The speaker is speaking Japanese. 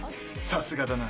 さすがだな。